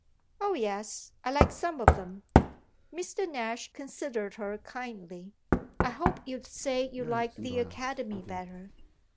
"Oh yes, I like some of them." Mr. Nash considered her kindly. "I hoped you'd say you like the Academy better."